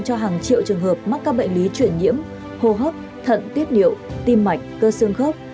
cho hàng triệu trường hợp mắc các bệnh lý chuyển nhiễm hô hấp thận tiết điệu tim mạch cơ xương khớp